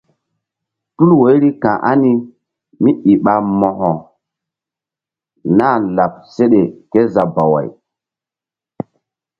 Tul woiri ka̧h ani kémíi ɓa Mo̧ko nah láɓ seɗe kézabaway.